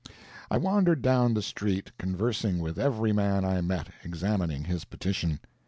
I wandered down the street, conversing with every man I met, examining his petition.